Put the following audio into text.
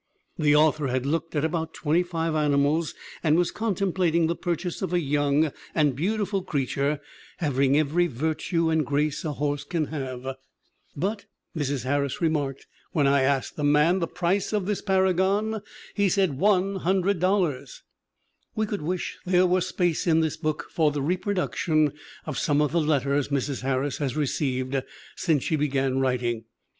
The author had looked at about twenty five animals and was contemplating the purchase of a young and beautiful creature having every virtue and grace a horse can have. 158 THE WOMEN WHO MAKE OUR NOVELS "But," Mrs. Harris remarked, "when I asked the man the price of this paragon he said $100!" We could wish there were space in this book for the reproduction of some of the letters Mrs. Harris has received since she began writing.